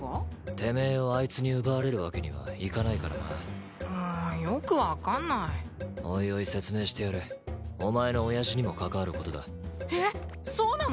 てめえをあいつに奪われるわけにはいかないからなうんよく分かんないおいおい説明してやるお前の親父にも関わることだえっそうなの？